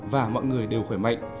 và mọi người đều khỏe mạnh